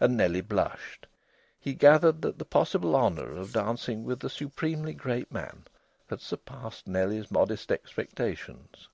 And Nellie blushed. He gathered that the possible honour of dancing with the supremely great man had surpassed Nellie's modest expectations.